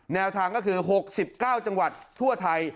แนวทางก็คือ๖๙จังหวัดทั่วไทย